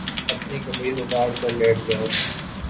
أپنی قمیض اُتار کر لیٹ جاؤ